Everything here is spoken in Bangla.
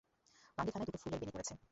ম্যান্ডি মাথায় দুটো ফুলের বেণী করেছে।